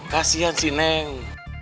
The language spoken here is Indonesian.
kasian si neng